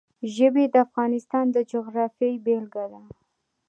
ژبې د افغانستان د جغرافیې بېلګه ده.